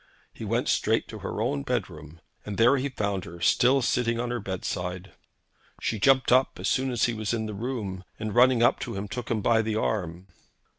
He went straight to her own bedroom, and there he found her still sitting on her bedside. She jumped up as soon as he was in the room, and running up to him, took him by the arm.